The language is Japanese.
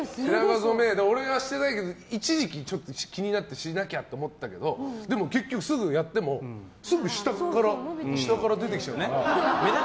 俺はしてないけど一時期、気になってしなきゃと思ったけど結局すぐやってもすぐ、下から出てきちゃう。